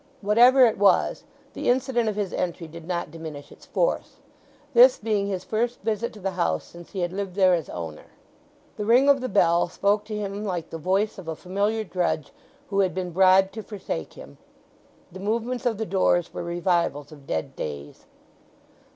Whatever it was, the incident of his entry did not diminish its force, this being his first visit to the house since he had lived there as owner. The ring of the bell spoke to him like the voice of a familiar drudge who had been bribed to forsake him; the movements of the doors were revivals of dead days.